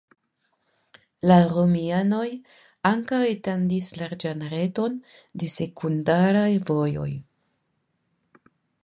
La romianoj ankaŭ etendis larĝan reton de sekundaraj vojoj.